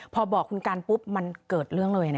พอบอกคุณกันปุ๊บมันเกิดเรื่องเลย